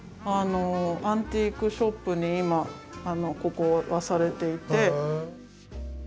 アンティークショップに今ここはされていて。